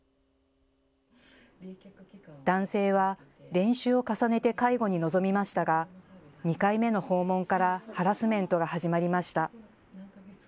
男性は練習を重ねて介護に臨みましたが２回目の訪問からハラスメントが始まりました。